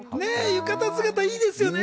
浴衣姿、いいですね。